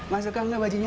ma suka enggak bajunya